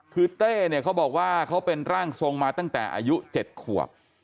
คือเต้เนี่ยเขาบอกว่าเขาเป็นร่างทรงมาตั้งแต่อายุ๗ขวบ